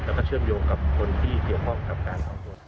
แล้วก็เชื่อมโยงกับคนที่เกี่ยวข้องกับการสอบสวน